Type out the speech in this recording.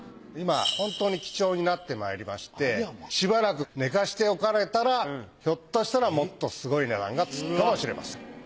今本当に貴重になってまいりましてしばらく寝かせておかれたらひょっとしたらもっとすごい値段がつくかもしれません。